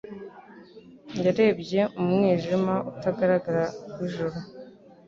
yarebye mu mwijima utagaragara w'ijuru.